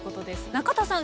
中田さん